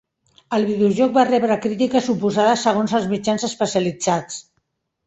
El videojoc va rebre crítiques oposades segons els mitjans especialitzats.